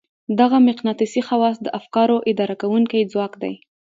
دغه مقناطيسي خواص د افکارو اداره کوونکی ځواک دی.